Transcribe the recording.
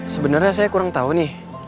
sebenernya saya kurang tau nih